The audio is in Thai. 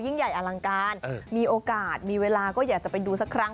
ใหญ่อลังการมีโอกาสมีเวลาก็อยากจะไปดูสักครั้ง